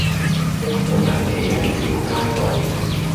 一個人企喺條街度